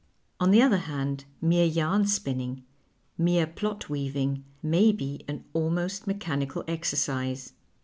On the other hand, mere yarn spinning, mere plot weaving, may be an almost mechanical exercise.